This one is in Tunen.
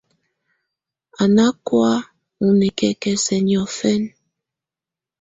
Á nà kɔ̀́́á ù nikǝ́kǝ́si niɔ̀fɛna.